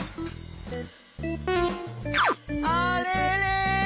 あれれ？